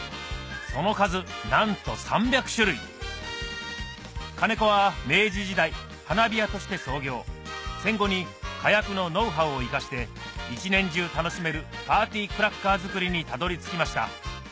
その数なんと３００種類カネコは明治時代花火屋として創業戦後に火薬のノウハウを生かして一年中楽しめるパーティークラッカー作りにたどり着きました